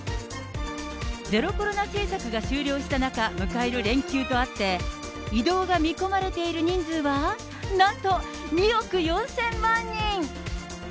ゼロコロナ政策が終了した中、迎える連休とあって、移動が見込まれている人数は、なんと２億４０００万人。